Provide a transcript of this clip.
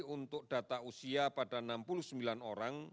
untuk data usia pada enam puluh sembilan orang